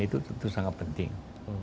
itu sangat penting